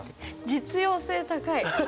実用性高い。